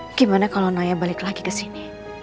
bagaimana kalau naya balik lagi ke sini